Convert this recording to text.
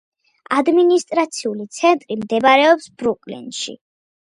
ადმინისტრაციული ცენტრი მდებარეობს ბრუკლინში.